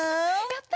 やった！